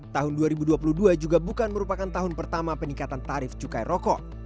tahun dua ribu dua puluh dua juga bukan merupakan tahun pertama peningkatan tarif cukai rokok